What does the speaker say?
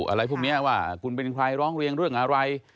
อะไรพวกนี้ว่าคุณเป็นใครร้องเรียนเรื่องอะไร